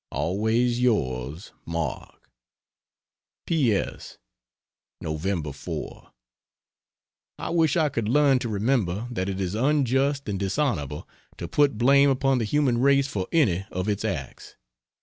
Always Yours, MARK. P. S. Nov, 4. I wish I could learn to remember that it is unjust and dishonorable to put blame upon the human race for any of its acts.